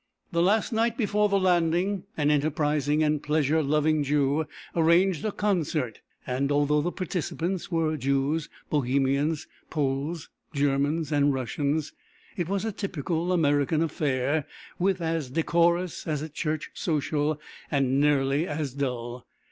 The last night before the landing, an enterprising and pleasure loving Jew arranged a concert; and although the participants were Jews, Bohemians, Poles, Germans and Russians, it was a typical American affair, was as decorous as a church social, and nearly as dull.